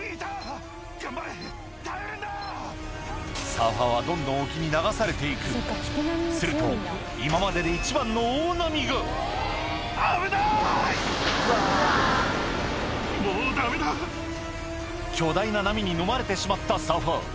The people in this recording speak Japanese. サーファーはどんどん沖に流されていくすると今までで巨大な波にのまれてしまったサーファー